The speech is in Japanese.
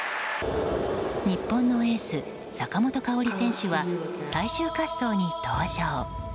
日本のエース坂本花織選手は最終滑走に登場。